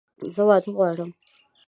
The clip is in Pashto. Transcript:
زه واده غواړم!